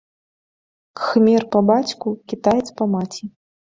Кхмер па бацьку, кітаец па маці.